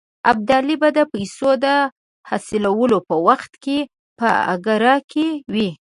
ابدالي به د پیسو د حاصلولو په وخت کې په اګره کې وي.